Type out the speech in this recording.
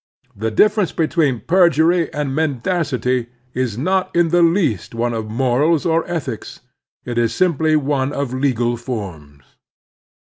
Tlie difference between perjury and mendacity is not in the 136 The Strenuous Life least one of morals or ethics. It is simply one of legal forms.